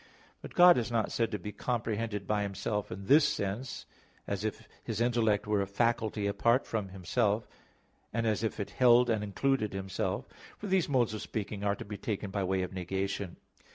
But God is not said to be comprehended by Himself in this sense, as if His intellect were a faculty apart from Himself, and as if it held and included Himself; for these modes of speaking are to be taken by way of negation.